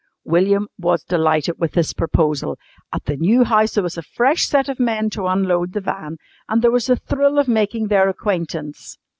William was delighted with this proposal. At the new house there was a fresh set of men to unload the van, and there was the thrill of making their acquaintance.